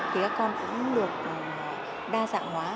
thì các con cũng được đa dạng hóa